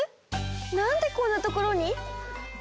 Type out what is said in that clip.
なんでこんなところに？